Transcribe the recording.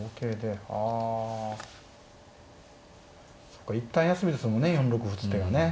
そうか一旦休みですもんね４六歩打つ手がね。